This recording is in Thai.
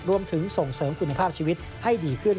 รวมถึงส่งเสริมคุณภาพชีวิตให้ดีขึ้น